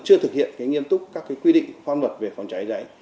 chưa thực hiện nghiêm túc các quy định phong vật về phòng cháy cháy